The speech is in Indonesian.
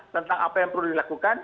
tentang apa yang perlu dilakukan